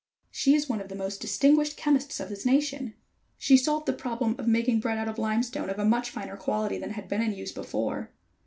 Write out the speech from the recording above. "She is one of the most distinguished chemists of this nation. She solved the problem of making bread out of limestone of a much finer quality than had been in use before."